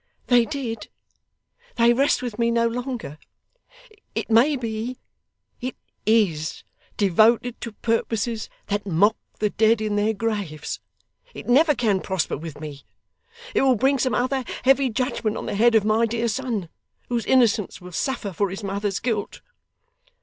'They did. They rest with me no longer. It may be it IS devoted to purposes that mock the dead in their graves. It never can prosper with me. It will bring some other heavy judgement on the head of my dear son, whose innocence will suffer for his mother's guilt.